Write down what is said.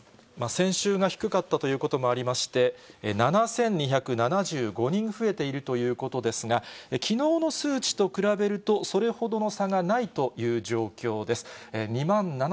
先週が低かったということもありまして、７２７５人増えているということですが、きのうの数値と比べると、それほどの差がないという状況です。